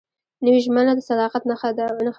نوې ژمنه د صداقت نښه وي